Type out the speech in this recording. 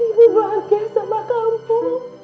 ibu bahagia sama kamu